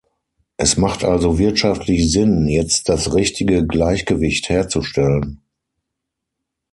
Es macht also wirtschaftlich Sinn, jetzt das richtige Gleichgewicht herzustellen.